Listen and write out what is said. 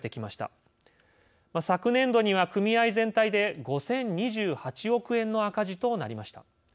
昨年度には組合全体で５，０２８億円の赤字となりました。